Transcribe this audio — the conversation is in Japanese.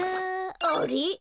あれ？